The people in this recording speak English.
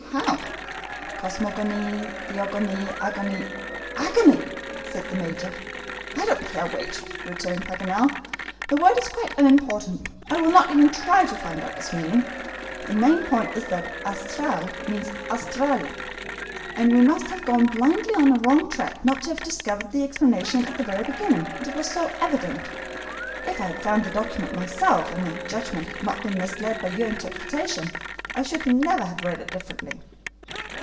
"How?" "Cosmogonie, theogonie, agonie." "AGONIE," said the Major. "I don't care which," returned Paganel. "The word is quite unimportant; I will not even try to find out its meaning. The main point is that AUSTRAL means AUSTRALIE, and we must have gone blindly on a wrong track not to have discovered the explanation at the very beginning, it was so evident. If I had found the document myself, and my judgment had not been misled by your interpretation, I should never have read it differently."